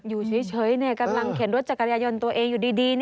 อยู่เฉยกำลังเข็นรถจักรยายนต์ตัวเองอยู่ดี